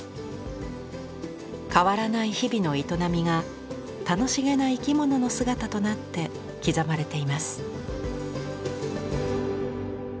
変わらない日々の営みが楽しげな生き物の姿となって刻まれています。